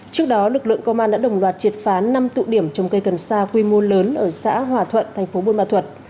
trước đó lực lượng công an đã đồng loạt triệt phá năm tụ điểm trồng cây cần sa quy mô lớn ở xã hòa thuận thành phố buôn ma thuật